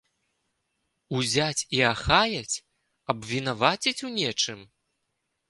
Узяць і ахаяць, абвінаваціць у нечым?